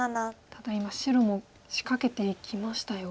ただ今白も仕掛けていきましたよ。